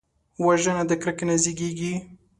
وژنه د کرکې نه زیږېږي